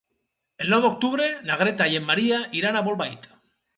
El nou d'octubre na Greta i en Maria iran a Bolbait.